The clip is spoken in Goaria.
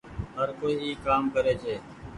هر ڪوئي اي ڪآم ڪري ڇي۔